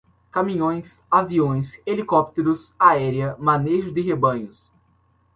caminhões, aviões, helicópteros, aérea, manejo de rebanhos